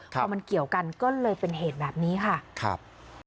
พอมันเกี่ยวกันก็เลยเป็นเหตุแบบนี้ค่ะครับ